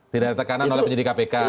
tidak ada tekanan oleh penyidik kpk